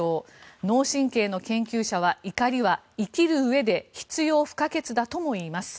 脳神経の研究者は怒りは生きるうえで必要不可欠だともいいます。